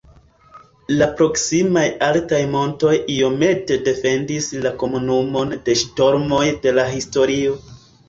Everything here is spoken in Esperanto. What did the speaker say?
La proksimaj altaj montoj iomete defendis la komunumon de ŝtormoj de la historio.